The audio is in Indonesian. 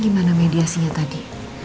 gimana mediasinya tadi